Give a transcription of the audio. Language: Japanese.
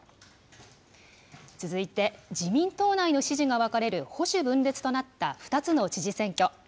続いて自民党内の支持が分かれる保守分裂の２つの知事選挙。